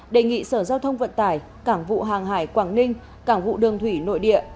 đề nghị sở giao thông vận tải cảng vụ hàng hải quảng ninh cảng vụ đường thủy nội địa